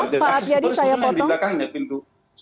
akses keluar itu yang di belakangnya pintu